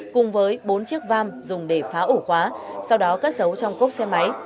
cùng với bốn chiếc vam dùng để phá ổ khóa sau đó cất dấu trong cốc xe máy